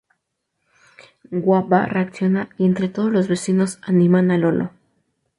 Wamba reacciona y entre todos los vecinos animan a Lolo.